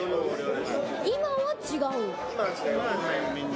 今は違う。